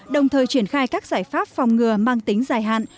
đồng thời triển khai các giải pháp phòng ngừa mang tính dài hạn